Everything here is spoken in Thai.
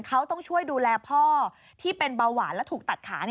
เขาต้องช่วยดูแลพ่อที่เป็นเบาหวานและถูกตัดขา